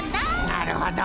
なるほど。